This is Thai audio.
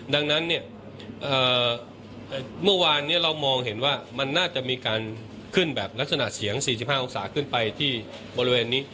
ดังนั้นเนี่ยเมื่อวานนี้เรามองเห็นว่ามันน่าจะมีการขึ้นแบบลักษณะเสียง๔๕องศาขึ้นไปที่บริเวณนี้